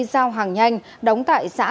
giao hàng nhanh đóng tại xã